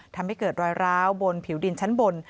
ทำให้เกิดรอยร้าวบนผิวดินชั้นบน